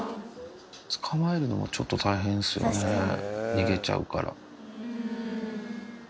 逃げちゃうから。